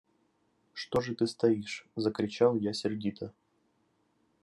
«Что же ты стоишь!» – закричал я сердито.